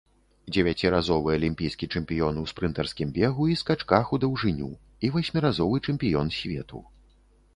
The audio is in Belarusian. Дзевяціразовы алімпійскі чэмпіён у спрынтарскім бегу і скачках у даўжыню і васьміразовы чэмпіён свету.